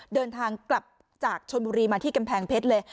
เดินทางกลับจากชนบุรีมาที่กำแพงเพชรเลย